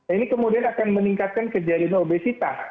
ini kemudian akan meningkatkan kejadian obesitas